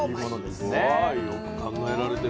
すごいよく考えられてる。